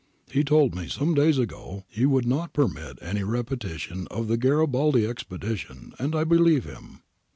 He told me some days ago he would not permit any repetition of the Garibaldi expedition, and I believe him.'